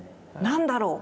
何だろう。